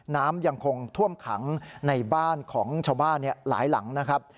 น้ำยังคงท่วมขังในบ้านของชาวบ้านหลายหลังนะครับ